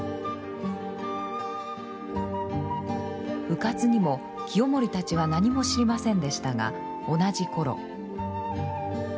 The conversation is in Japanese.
うかつにも清盛たちは何も知りませんでしたが同じ頃。